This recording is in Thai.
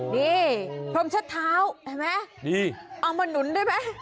นี่พร้อมเช็ดเท้าเอามาหนุนได้ไหม